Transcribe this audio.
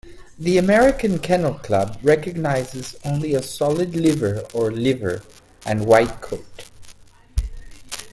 The American Kennel Club recognizes only a solid liver or liver and white coat.